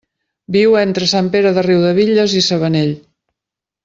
Viu entre Sant Pere de Riudebitlles i Sabanell.